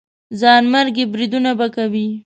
ځانمرګي بریدونه به کوي.